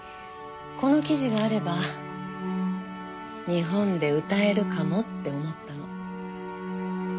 この記事があれば日本で歌えるかもって思ったの。